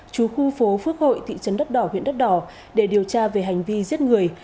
chú khu phố phước hội thị trấn đất đỏ huyện đất đỏ để điều tra về hành vi giết người